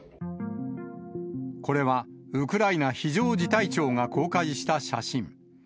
これは、ウクライナ非常事態庁が公開した写真。